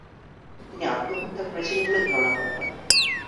তিনি আত্মহত্যা করেছিলেন বলে ধারণা করা হয়।